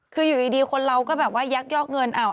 คืออยู่ดีคนเราก็แบบว่ายักยอกเงิน